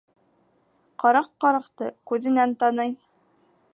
Ҡараҡ ҡараҡты күҙенән таный.